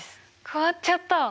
変わっちゃった。